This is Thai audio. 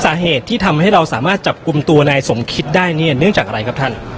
สาเหตุที่ทำให้เราสามารถจับกลุ่มตัวนายสมคิดได้เนี่ยเนื่องจากอะไรครับท่าน